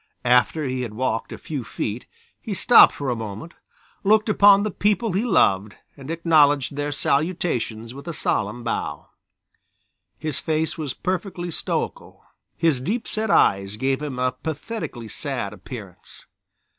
After he had walked a few feet he stopped for a moment, looked upon the people he loved and acknowledged their salutations with a solemn bow. His face was perfectly stoical, his deep set eyes gave him a pathetically sad appearance.